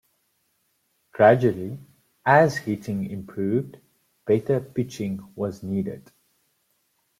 Gradually, as hitting improved, better pitching was needed.